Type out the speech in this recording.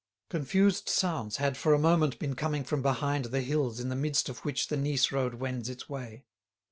Confused sounds had for a moment been coming from behind the hills in the midst of which the Nice road wends its way.